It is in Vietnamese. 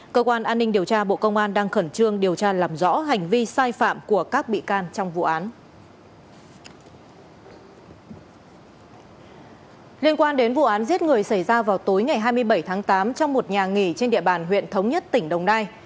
cơ quan đến vụ án giết người xảy ra vào tối ngày hai mươi bảy tháng tám trong một nhà nghỉ trên địa bàn huyện thống nhất tỉnh đồng nai